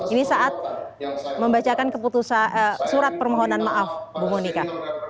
ini saat membacakan surat permohonan maaf bu monika